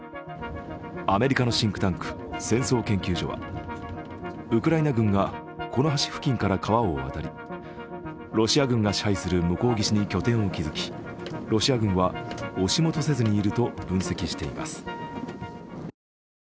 アメリカのシンクタンク戦争研究所は、ウクライナ軍がこの橋付近から川を渡りロシア軍が支配する向こう岸に拠点を築き、ロシア軍は押し戻せずにいると分析しています。